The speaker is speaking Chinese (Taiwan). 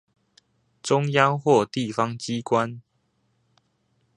中央或地方機關